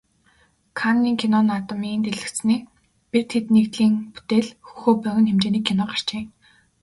Каннын кино наадмын дэлгэцнээ "Бид хэд" нэгдлийн бүтээл "Хөхөө" богино хэмжээний кино гарчээ.